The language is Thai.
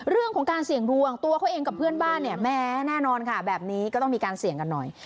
เรื่องของการเสี่ยงดวงตัวเขาเองกับเพื่อนบ้านเนี่ยแม้แน่นอนค่ะแบบนี้ก็ต้องมีการเสี่ยงกันหน่อย